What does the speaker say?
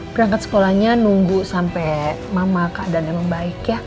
berangkat sekolahnya nunggu sampai mama keadaan yang baik ya